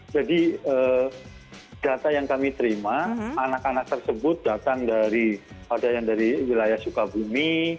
jadi data yang kami terima anak anak tersebut datang dari ada yang dari wilayah sukabumi